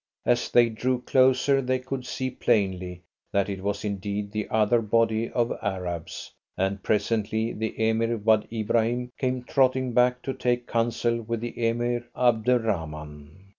As they drew closer they could see plainly that it was indeed the other body of Arabs, and presently the Emir Wad Ibrahim came trotting back to take counsel with the Emir Abderrahman.